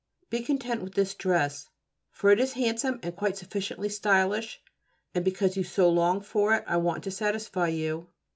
Be content with this dress, for it is handsome and quite sufficiently stylish, and because you so long for it I want to satisfy you.